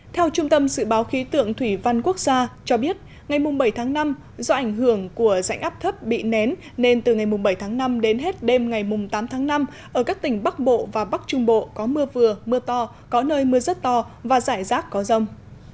theo trung tâm dự báo khí tượng thủy văn quốc gia cho biết ngày bảy tháng năm do ảnh hưởng của rãnh áp thấp bị nén nên từ ngày bảy tháng năm đến hết đêm ngày tám tháng năm ở các tỉnh bắc bộ và bắc trung bộ có mưa vừa mưa to có nơi mưa rất to và giải rác có rông